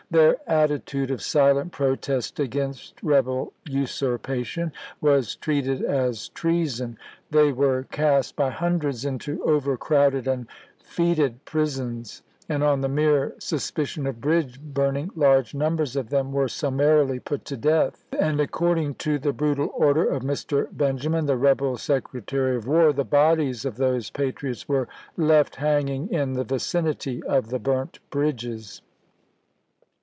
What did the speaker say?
Their attitude of silent protest against rebel usurpation was treated as treason ; they were cast by hundreds into over crowded and fetid prisons ; and on the mere sus picion of bridge burning large numbers of them Benjamin wcrc summarily put to death ; and according to the Nov.°25^' brutal order of Mr. Benjamin, the rebel Secretary seep^e78. of War, the bodies of those patriots were "left tiiiswork. hanging in the vicinity of the burnt bridges."